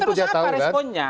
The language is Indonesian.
terus apa responnya